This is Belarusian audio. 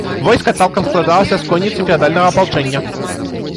Войска цалкам складалася з конніцы феадальнага апалчэння.